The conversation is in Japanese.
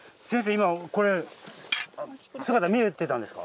今これ姿見えてたんですか？